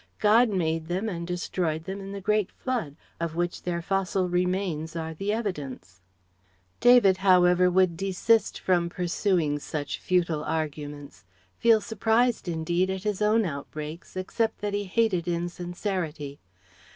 God made them and destroyed them in the great Flood, of which their fossil remains are the evidence " David however would desist from pursuing such futile arguments; feel surprised, indeed, at his own outbreaks, except that he hated insincerity.